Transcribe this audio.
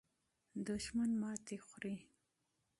دښمن ماته خوري.